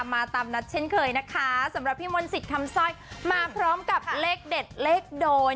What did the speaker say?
มาตามนัดเช่นเคยนะคะสำหรับพี่มนต์สิทธิ์คำสร้อยมาพร้อมกับเลขเด็ดเลขโดน